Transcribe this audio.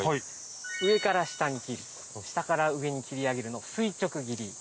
上から下に切り下から上に切り上げるのを垂直切り。